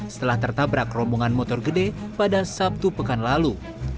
setelah tertabrak rombongan motor gede pada sabtu pekan lalu